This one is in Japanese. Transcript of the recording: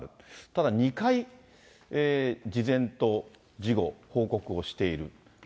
ただ２回、事前と事後、報告をしている。